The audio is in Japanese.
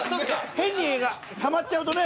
変にたまっちゃうとね